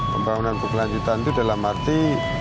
pembangunan berkelanjutan itu dalam arti